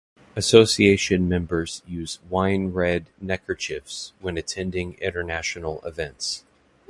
Association members use wine-red neckerchiefs when attending international events.